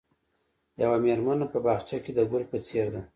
یوه مېرمنه په باغچه کې د ګل په څېر ده.